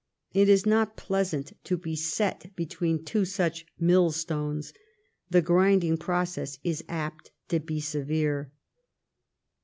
It is not pleasant to be set between two such millstones. The grinding process is apt to be severe.